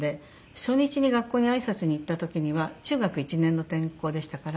初日に学校にあいさつに行った時には中学１年の転校でしたから。